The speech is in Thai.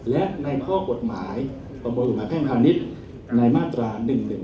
และในข้อกฎหมายประมวลกฎหมายแพ่งพาณิชย์ในมาตรา๑๑๒